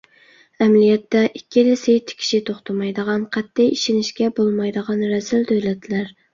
ئەمەلىيەتتە ئىككىلىسى تىكىشى توختىمايدىغان، قەتئىي ئىشىنىشكە بولمايدىغان رەزىل دۆلەتلەر.